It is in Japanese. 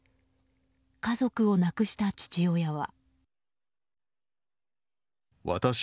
家族を亡くした父親は。